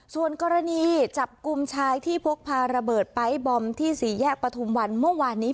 ส่วนกรณีจับกลุ่มชายที่พกพาระเบิดไป๊บอมที่สี่แยกปฐุมวันเมื่อวานนี้